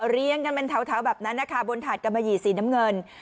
เรียงกันเป็นแถวแบบนั้นนะคะบนถาดกะมะหี่สีน้ำเงิน